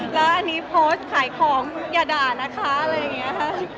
แล้วอันนี้โพสต์ขายของอย่าด่านะคะอะไรอย่างนี้ค่ะ